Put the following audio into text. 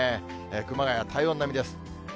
熊谷、体温並みです。